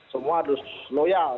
semua harus loyal